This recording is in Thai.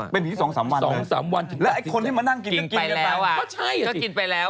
เป็นอย่างที่๒๓วันแล้วไอ้คนที่มานั่งกินก็กินไปแล้ว